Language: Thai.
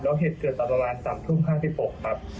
แล้วเหตุเกิดตอนประมาณ๓ทุ่ม๕๖ครับ